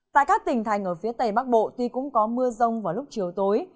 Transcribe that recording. tại các tỉnh thành ở phía tây bắc bộ tuy cũng có mưa rông vào lúc chiều tối